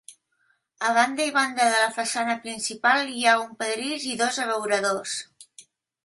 A banda i banda de la façana principal hi ha un pedrís i dos abeuradors.